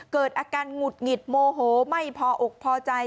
เกิดอาการหงุดหงิดโมโหไม่พออกพอใจ